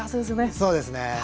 そうですね。